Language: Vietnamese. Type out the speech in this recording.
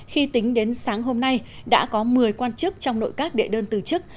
khi tính đến sáng hôm nay đã có một mươi quan chức trong nội các đệ đơn từ chức